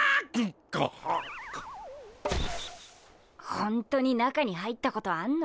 ホントに中に入ったことあんの？